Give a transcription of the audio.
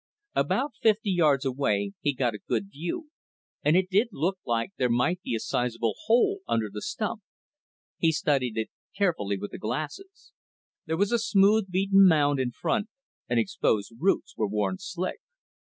About fifty yards away, he got a good view, and it did look like there might be a sizable hole under the stump. He studied it carefully with the glasses. There was a smooth beaten mound in front, and exposed roots were worn slick.